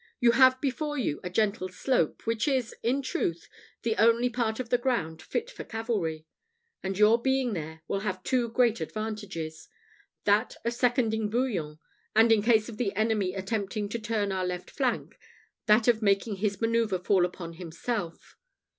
You have before you a gentle slope, which is, in truth, the only part of the ground fit for cavalry; and your being there will have two great advantages; that of seconding Bouillon; and, in case of the enemy attempting to turn our left flank, that of making his man[oe]uvre fall upon himself.